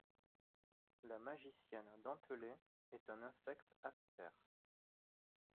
La magicienne dentelée est un insecte aptère.